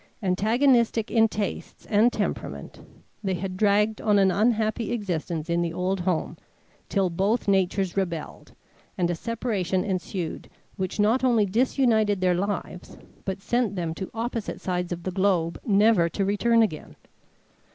Antagonistic in tastes and temperament, they had dragged on an unhappy existence in the old home, till both natures rebelled, and a separation ensued which not only disunited their lives but sent them to opposite sides of the globe never to return again.